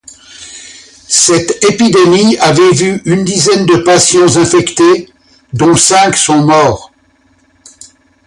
Cette épidémie avait vu une dizaine de patients infectés, dont cinq sont morts.